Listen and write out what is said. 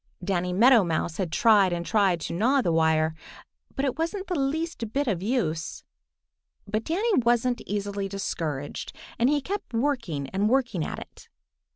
Danny Meadow Mouse had tried and tried to gnaw the wire, but it wasn't of the least bit of use. But Danny wasn't easily discouraged, and he kept working and working at it.